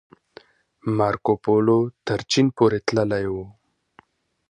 مارکوپولو تر چين پورې تللی و.